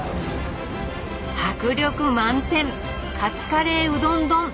迫力満点カツカレーうどん丼！